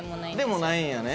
でもないんやね。